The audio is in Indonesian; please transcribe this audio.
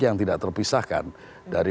yang tidak terpisahkan dari